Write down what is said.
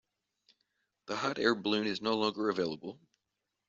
The hot air balloon is no longer available.